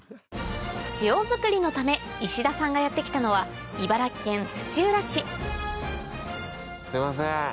塩づくりのため石田さんがやって来たのは茨城県土浦市すいません